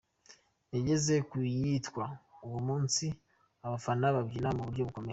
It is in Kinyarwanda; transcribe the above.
Yageze ku yitwa ’Uwo munsi’ abafana babyina mu buryo bukomeye.